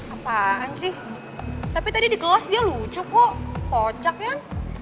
apaan sih tapi tadi di kelas dia lucu kok kocak kan